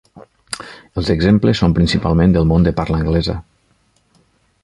Els exemples són principalment del món de parla anglesa.